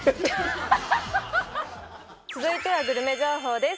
続いてはグルメ情報です